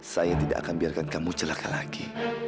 saya tidak akan biarkan kamu celaka lagi